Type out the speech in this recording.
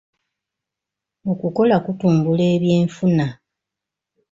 Okukola kutumbula ebyenfuna.